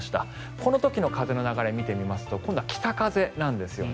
この時の風の流れを見てみますと今度は北風なんですね。